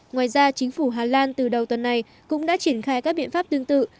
ngoài ra chính phủ hà lan từ đầu tuần này cũng đã triển khai các biện pháp tương tự